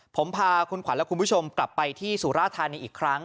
ผมพาคุณขวัญและคุณผู้ชมกลับไปที่สุราธานีอีกครั้ง